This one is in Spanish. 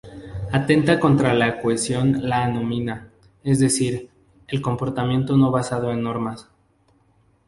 Atenta contra la cohesión la anomia, es decir, el comportamiento no basado en normas.